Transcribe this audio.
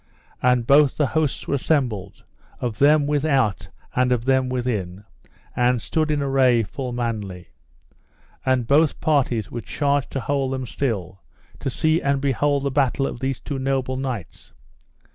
And both the hosts were assembled, of them without and of them within, and stood in array full manly. And both parties were charged to hold them still, to see and behold the battle of these two noble knights.